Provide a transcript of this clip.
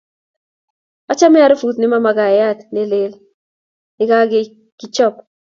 Achame arufut nebo makatiat ne lel nekakichobe